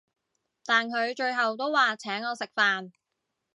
但佢最後都話請我食飯